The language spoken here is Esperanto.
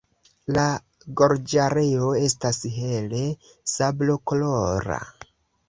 La gorĝareo estas hele sablokolora.